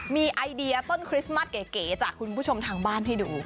มีไอเดียต้นคริสต์มัสเก๋จากคุณผู้ชมทางบ้านให้ดู